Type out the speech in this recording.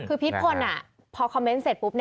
คือพีชพลพอคอมเมนต์เสร็จปุ๊บ